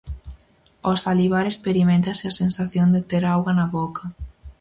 Ao salivar experiméntase a sensación de ter auga na boca.